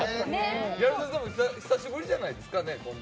ギャル曽根さんも、久しぶりじゃないですか？